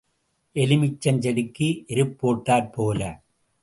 எலுமிச்சஞ் செடிக்கு எருப் போட்டாற் போல.